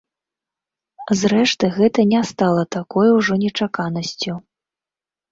Зрэшты, гэта не стала такой ужо нечаканасцю.